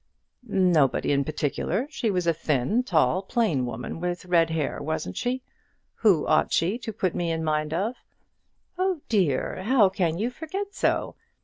"Nobody in particular. She was a thin, tall, plain woman, with red hair, wasn't she? Who ought she to put me in mind of?" "Oh dear! how can you forget so?